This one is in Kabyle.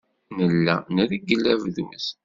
Nella nreggel abduz.